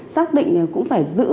xác định cũng phải giữ